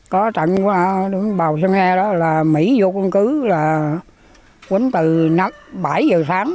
có trận bào sơn he đó là mỹ vô căn cứ là quân từ bảy giờ sáng